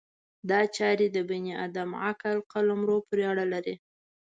دا چارې د بني ادم عقل قلمرو پورې اړه لري.